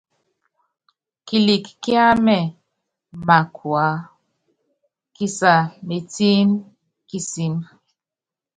Kilik kiámɛ mákua, kisa métiin kisimb.